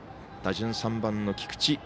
打順、３番の菊地。